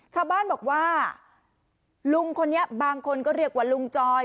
ชาวบ้านบอกว่าลุงคนนี้บางคนก็เรียกว่าลุงจอย